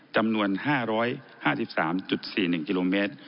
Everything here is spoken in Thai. จำนวน๕๕๓๔๑กิโลเมตร